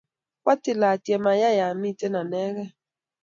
kwatiil atyem ayay amite anegei